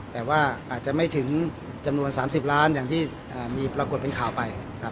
แต่ว่าอาจจะไม่ถึงจำนวน๓๐ล้านอย่างที่มีปรากฏเป็นข่าวไปครับ